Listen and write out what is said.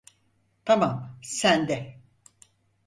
Tamam, sen de.